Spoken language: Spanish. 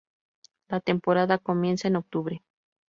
La temporada comienza en Octubre.